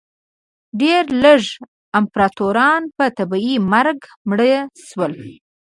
ډېر لږ امپراتوران په طبیعي مرګ مړه شول